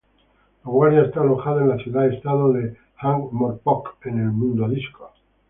La Guardia está alojada en la Ciudad-Estado de Ankh-Morpork en el Mundodisco.